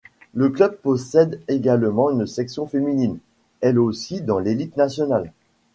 Le club possède également une section féminine, elle aussi dans l'élite nationale.